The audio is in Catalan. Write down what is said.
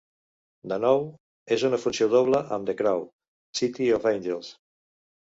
De nou, és una funció doble amb "The Crow: City of Angels".